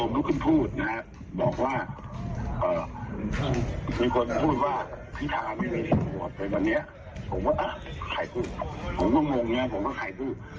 พูดถึงว่าใครพูดผมก็เลยถามว่าใครพูดเขาบอกสบพูด